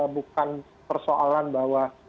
bukan persoalan bahwa